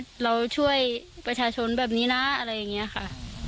เราช่วยประชาชนแบบนี้นะอะไรอย่างนี้ค่ะ